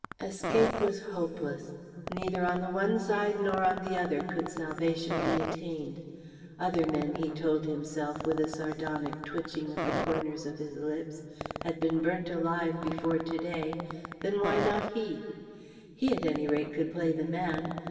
Escape was hopeless. Neither on the one side nor on the other could salvation be attained. Other men, he told himself, with a sardonic twitching of the corners of his lips, had been burnt alive before to day then why not he? He, at any rate, could play the man.